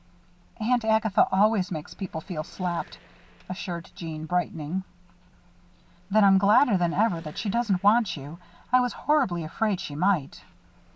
"Aunt Agatha always makes people feel slapped," assured Jeanne, brightening. "Then I'm gladder than ever that she doesn't want you. I was horribly afraid she might."